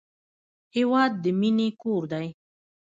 هېواد د مینې کور دی.